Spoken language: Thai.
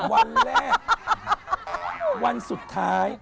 วันแรกวันสุดท้าย